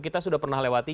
kita sudah pernah lewati